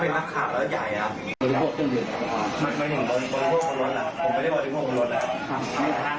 มันก็จะอยู่หลายปั้น